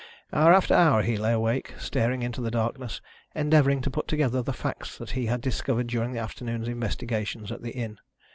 Hour after hour he lay awake, staring into the darkness, endeavouring to put together the facts he had discovered during the afternoon's investigations at the inn.